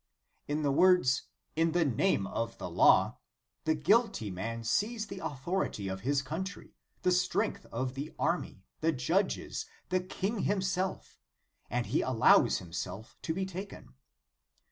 In the words, " In the name of the law," the guilty man sees the authority of his country, the strength of the army, the judges, the king himself; and he allows himself to be taken.